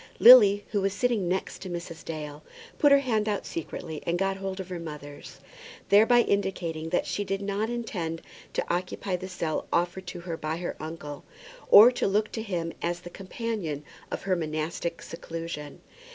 Lily, who was sitting next to Mrs. Dale, put her hand out secretly and got hold of her mother's, thereby indicating that she did not intend to occupy the cell offered to her by her uncle; or to look to him as the companion of her monastic seclusion.